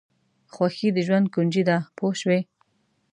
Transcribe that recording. خوښي د ژوند کونجي ده پوه شوې!.